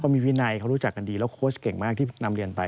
มีวินัยเขารู้จักกันดีแล้วโค้ชเก่งมากที่นำเรียนไป